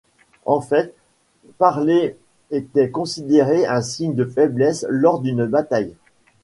En fait, parler était considéré un signe de faiblesse lors d'une bataille.